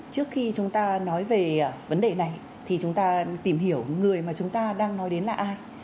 trước khi chúng ta nói về vấn đề này thì chúng ta tìm hiểu người mà chúng ta đang nói đến là ai